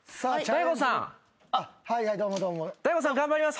大悟さん頑張ります。